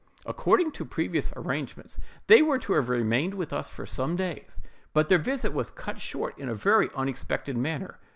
According to previous arrangements, they were to have remained with us for some days; but their visit was cut short in a very unexpected manner.